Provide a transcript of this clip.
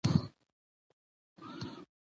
احمدشاه بابا د خپل قوم د عزت لپاره کار کاوه.